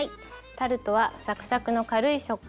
タルトはサクサクの軽い食感